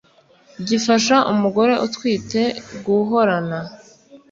gifasha umugore utwite guhorana